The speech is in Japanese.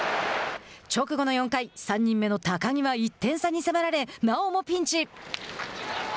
直後の４回、３人目の高木は１点差に迫られ、なおもピンチ。